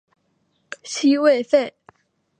西魏废。